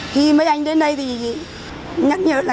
khi mấy anh đến đây thì nhắc nhở là